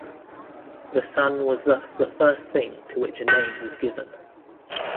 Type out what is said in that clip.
The sun was thus the first thing to which a name was given.